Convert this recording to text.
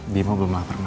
bimo belum lapar ma